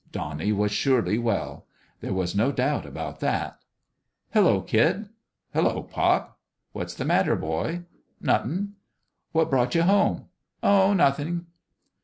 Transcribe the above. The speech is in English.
Donnie was surely well. There was no doubt about that !" Hello, kid !" "Hello, pop! "" What's the matter, boy ?" 11 Nothing." " What brought you home ?"" Oh, nothing."